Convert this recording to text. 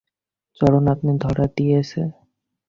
চরণ আপনি ধরা দিয়েছে।